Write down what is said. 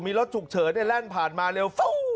มีรถฉุกเฉอได้แล่นผ่านมาแล้ว